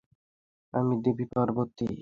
আর দেবী পার্বতী, ভগবান কার্তিকের মা।